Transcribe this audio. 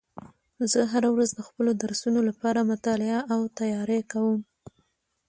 زه هره ورځ د خپلو درسونو لپاره مطالعه او تیاری کوم